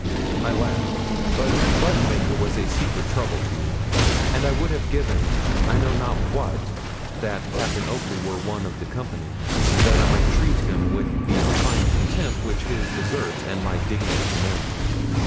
I laughed, but the button maker was a secret trouble to me; and I would have given I know not what that Captain Oakley were one of the company, that I might treat him with the refined contempt which his deserts and my dignity demanded.